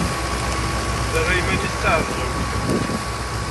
Terra iman-nnes d taɛeẓẓugt.